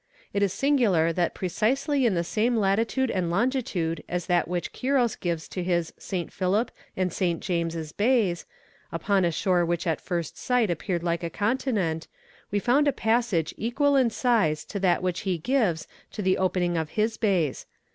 It is singular that precisely in the same latitude and longitude as that which Quiros gives to his St. Philip and St. James' Bays, upon a shore which at first sight appeared like a continent, we found a passage equal in size to that which he gives to the opening of his bays.